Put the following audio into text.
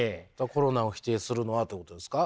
コロナを否定するのはってことですか？